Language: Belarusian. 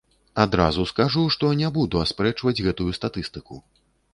Адразу скажу, што не буду аспрэчваць гэтую статыстыку.